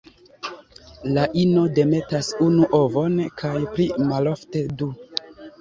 La ino demetas unu ovon kaj pli malofte du.